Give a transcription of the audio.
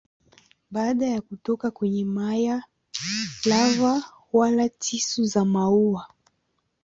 Baada ya kutoka kwenye mayai lava wala tishu za maua.